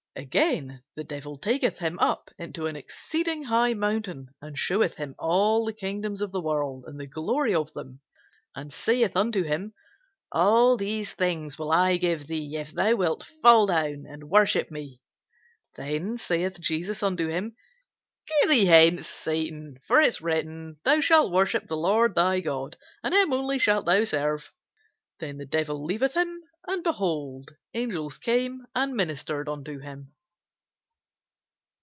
Again, the devil taketh him up into an exceeding high mountain, and sheweth him all the kingdoms of the world, and the glory of them; and saith unto him, All these things will I give thee, if thou wilt fall down and worship me. Then saith Jesus unto him, Get thee hence, Satan: for it is written, Thou shalt worship the Lord thy God, and him only shalt thou serve. Then the devil leaveth him, and, behold, angels came and ministered unto him.